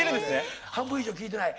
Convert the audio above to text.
半分以上聞いてない。